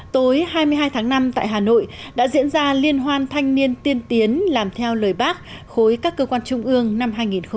tối hai mươi hai tháng năm tại hà nội đã diễn ra liên hoan thanh niên tiên tiến làm theo lời bác khối các cơ quan trung ương năm hai nghìn hai mươi